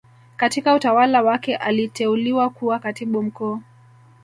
Katika utawala wake aliteuliwa kuwa katibu mkuu